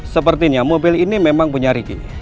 sepertinya mobil ini memang punya rigi